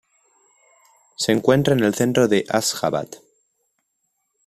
Se encuentra en el centro de Asjabad.